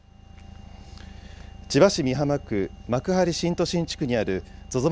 千葉市美浜区幕張新都心地区にあるＺＯＺＯ